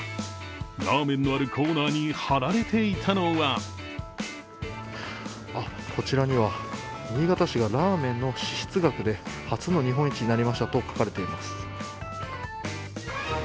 ラーメンのあるコーナーに貼られていたのはこちらには新潟市がラーメンの支出額で初の日本一になりましたと書かれています。